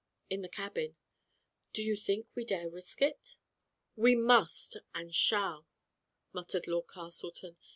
"In the cabin." "Do you think we dare risk it?" "We must and shall," muttered Lord Castle ton.